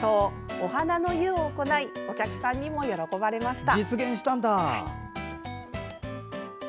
「おはなの湯」を行いお客さんにも喜ばれました。